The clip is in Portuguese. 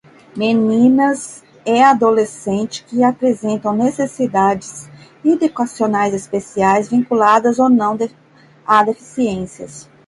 meninas e adolescentes que apresentam necessidades educacionais especiais, vinculadas ou não a deficiências.